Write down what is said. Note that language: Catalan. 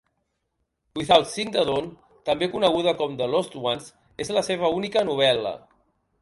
"Without Seeing the Dawn", també coneguda com "The Lost Ones", és la seva única novel·la.